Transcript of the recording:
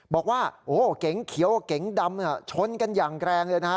บอกว่าโอ้โหเก๋งเขียวกับเก๋งดำชนกันอย่างแรงเลยนะฮะ